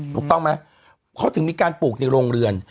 ถูกต้องไหมเขาถึงมีการปลูกในโรงเรือน